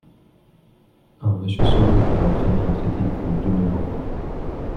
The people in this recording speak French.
un Monsieur Sauli a imprimé un traité du deux nov.